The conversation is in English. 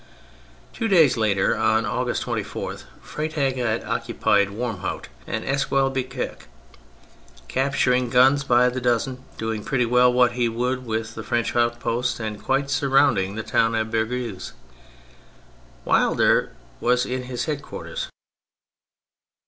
Two days later again, on August 24, Freytag had occupied Wormhoudt and Es quelbecque, capturing guns by the dozen, doing pretty well what he w^ould with the French outposts, and quite surrounding the town of Bergues. Wilder was his head quarters.